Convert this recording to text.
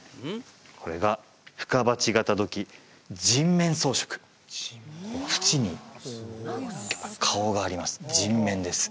これが「深鉢型土器人面装飾」縁に顔があります人面です